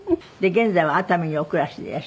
現在は熱海にお暮らしでいらっしゃいます。